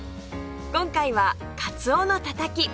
今回はかつおのたたき